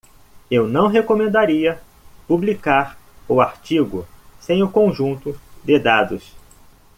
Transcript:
Eu não recomendaria publicar o artigo sem o conjunto de dados.